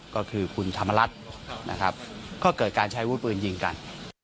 ก็คือคุณธรรมรัฐก็เกิดการใช้วู้ดปืนจิงกัน